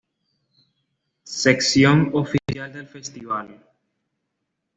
Sección oficial del festival.